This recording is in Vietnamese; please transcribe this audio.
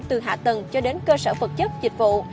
từ hạ tầng cho đến cơ sở vật chất dịch vụ